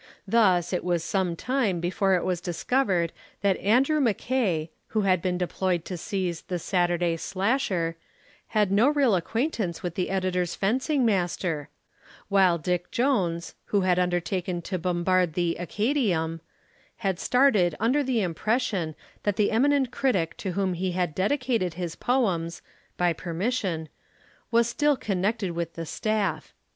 Thus, it was some time before it was discovered that Andrew Mackay, who had been deployed to seize the Saturday Slasher, had no real acquaintance with the editor's fencing master, while Dick Jones, who had undertaken to bombard the Acadæum, had started under the impression that the eminent critic to whom he had dedicated his poems (by permission) was still connected with the staff.